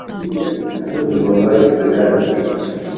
ingoma igwirwa ityo.